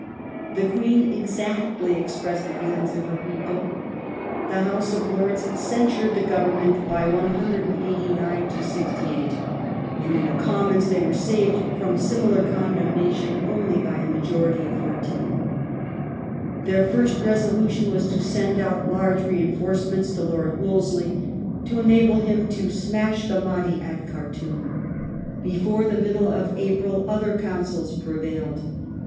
The Queen exactly expressed the feelings of her people. The House of Lords censured the Government by 189 to 68, and in the Commons they were saved from similar condemnation only by a majority of 14. Their first resolution was to send out large reinforcements to Lord Wolseley to enable him " to smash the Mahdi at Khartoum". Before the middle of April other counsels prevailed.